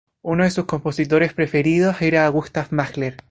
Uno de sus compositores preferidos era Gustav Mahler.